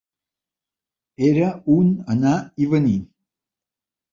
Era un anar i venir.